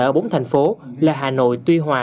ở bốn thành phố là hà nội tuy hòa